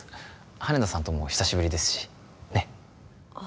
羽田さんとも久しぶりですしねっあ